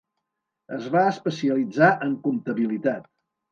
Es va especialitzar en comptabilitat.